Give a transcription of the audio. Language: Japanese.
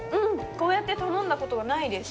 こうやって頼んだ事はないです。